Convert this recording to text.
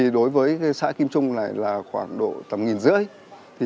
đối với xã kim trung là khoảng độ tầm nghìn rưỡi